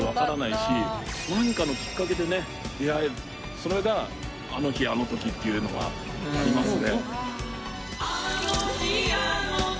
それが「あの日あの時」っていうのがありますね。